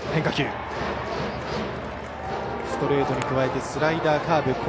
ストレートに加えてスライダー、カーブ